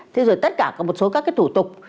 thế rồi tất cả có một số các cái thủ tục